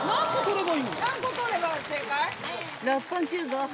何個取れば正解？